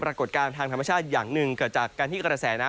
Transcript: ปรากฏการทางธรรมชาติอย่างหนึ่งเกิดจากการที่